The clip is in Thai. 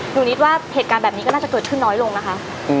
นิดว่าเหตุการณ์แบบนี้ก็น่าจะเกิดขึ้นน้อยลงนะคะ